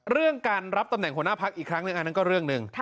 เรื่องการรับตำแหน่งหัวหน้าพักอีกครั้งหนึ่งอันนั้นก็เรื่องหนึ่ง